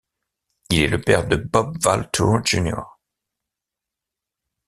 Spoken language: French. Il est le père de Bob Walthour Junior.